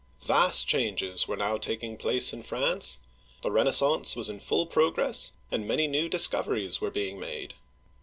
Vast changes were now taking place in France. The Renaissance was in full progress, and many new discoveries were being made.